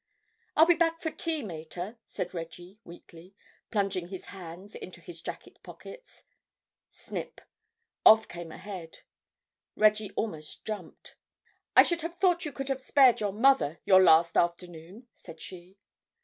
"I'll be back for tea, mater," said Reggie weakly, plunging his hands into his jacket pockets. Snip. Off came a head. Reggie almost jumped. "I should have thought you could have spared your mother your last afternoon," said she.